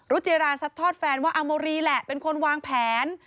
จิราซัดทอดแฟนว่าอาโมรีแหละเป็นคนวางแผน